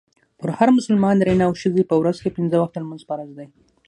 پر هر مسلمان نارينه او ښځي په ورځ کي پنځه وخته لمونځ فرض دئ.